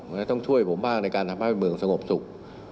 มันจะต้องช่วยผมบ้างในการทำให้เมืองสงบสุข